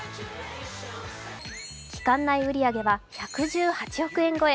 期間内売り上げは１１８億円超え。